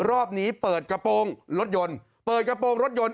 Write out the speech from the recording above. รอบนี้เปิดกระโปรงรถยนต์เปิดกระโปรงรถยนต์